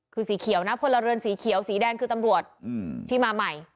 คือสีเขียวนะพลเรือนสีเขียวสีแดงคือตำรวจที่มาใหม่